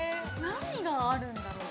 何があるんだろう？